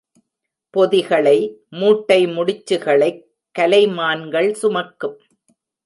பொதிகளை, மூட்டை முடிச்சுகளைக் கலைமான்கள் சுமக்கும்.